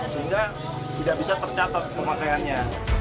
sehingga tidak bisa tercatat pemakaiannya